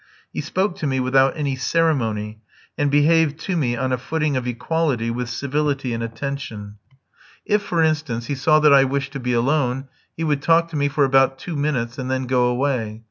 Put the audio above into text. He spoke to me without any ceremony, and behaved to me on a footing of equality with civility and attention. If, for instance, he saw that I wished to be alone, he would talk to me for about two minutes and then go away.